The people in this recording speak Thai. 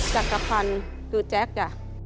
จักรพรรณคือแจ๊คจ้ะ